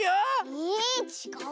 えちがう？